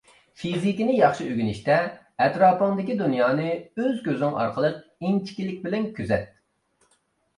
فىزىكىنى ياخشى ئۆگىنىشتە، ئەتراپىڭدىكى دۇنيانى ئۆز كۆزۈڭ ئارقىلىق ئىنچىكىلىك بىلەن كۆزەت.